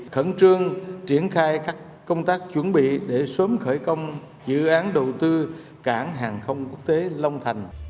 khẩn trương triển khai các công tác chuẩn bị để sớm khởi công dự án đầu tư cảng hàng không quốc tế long thành